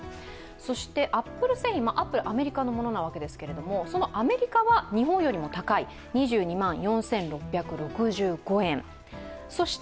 そしてアップル製品、アップルはアメリカのものですがそのアメリカは日本よりも高い２２万４６６５円。